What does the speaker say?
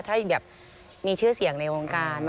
ถ้าแบบมีชื่อเสียงในวงการ